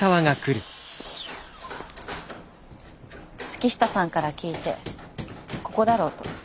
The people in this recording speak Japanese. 月下さんから聞いてここだろうと。